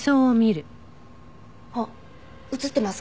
あっ映ってます